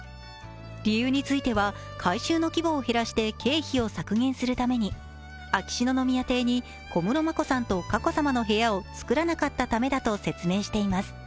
理由については、改修の規模を減らして経費を削減するために秋篠宮邸に小室眞子さんと佳子さまの部屋をつくらなかったためだと説明しています。